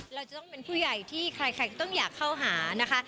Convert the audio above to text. เราจะต้องเป็นผู้ใหญ่ที่ใครก็ต้องอยากเข้าหานะคะ